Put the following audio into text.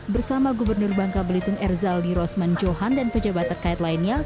bersama gubernur bangka belitung erzaldi rosman johan dan pejabat terkait lainnya